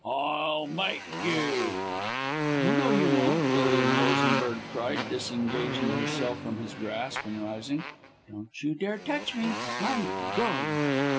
"I'll make you." "Oh, no, you won't," Lilian Rosenberg cried, disengaging herself from his grasp, and rising. "Don't you dare touch me. I'm going."